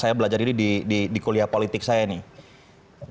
saya belajar ini di kuliah politik saya nih